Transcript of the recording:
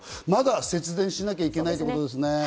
まだ節電しなきゃいけないということですね。